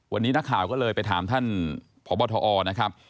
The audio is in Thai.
วันนี้นักข่าวก็เลยไปถามท่านพบทอนะครับ